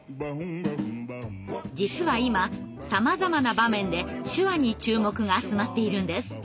実は今さまざまな場面で手話に注目が集まっているんです。